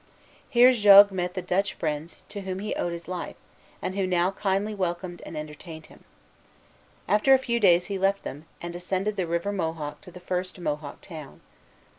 Here Jogues met the Dutch friends to whom he owed his life, and who now kindly welcomed and entertained him. After a few days he left them, and ascended the River Mohawk to the first Mohawk town.